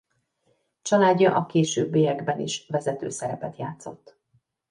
Családja a későbbiekben is vezető szerepet játszott.